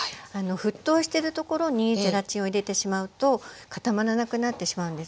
沸騰してるところにゼラチンを入れてしまうと固まらなくなってしまうんですね。